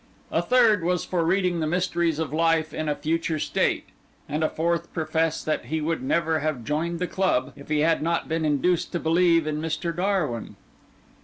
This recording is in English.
A third was for reading the mysteries of life in a future state; and a fourth professed that he would never have joined the club, if he had not been induced to believe in Mr. Darwin.